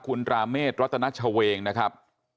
คุณราเมฆรัตนชเวงนะครับ